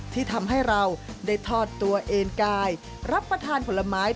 ที่ทำให้เราได้ทอดตัวเองกายรับประทานผลไม้